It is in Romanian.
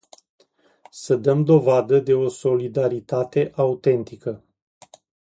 Să dăm dovadă de o solidaritate autentică.